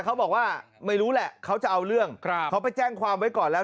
เขาบอกว่าไม่รู้แหละเขาจะเอาเรื่องเขาไปแจ้งความไว้ก่อนแล้ว